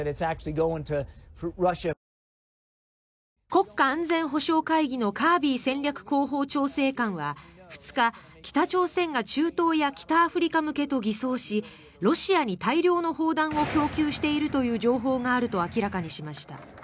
国家安全保障会議のカービー戦略広報調整官は２日、北朝鮮が中東や北アフリカ向けと偽装しロシアに大量の砲弾を供給しているという情報があると明らかにしました。